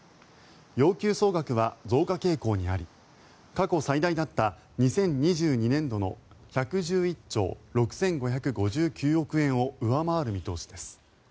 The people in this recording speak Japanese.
要求総額は増加傾向にあり過去最大だった２０２２年度の１１兆６５５９億円を上回る見通しです。